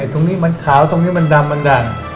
ตรงนี้มันขาวตรงนี้มันดำมันดั่ง